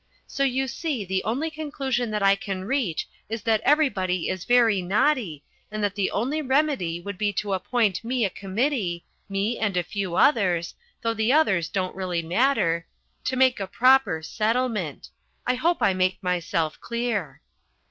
So you see the only conclusion that I can reach is that everybody is very naughty and that the only remedy would be to appoint me a committee me and a few others, though the others don't really matter to make a proper settlement. I hope I make myself clear."